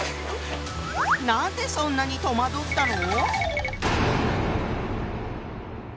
なんでそんなに戸惑ったの？